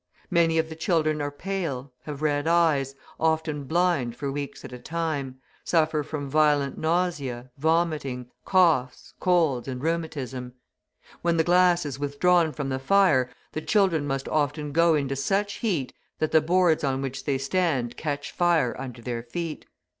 Many of the children are pale, have red eyes, often blind for weeks at a time, suffer from violent nausea, vomiting, coughs, colds, and rheumatism. When the glass is withdrawn from the fire, the children must often go into such heat that the boards on which they stand catch fire under their feet.